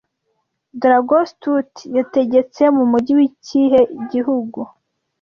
Dragon Stout yategetse mumujyi w'ikihe igihugu